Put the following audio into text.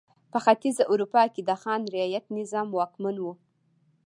په ختیځه اروپا کې د خان رعیت نظام واکمن و.